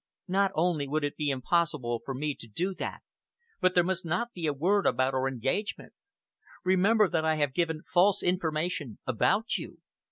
"Not only would it be impossible for me to do that, but there must not be a word about our engagement. Remember that I have given false information about you.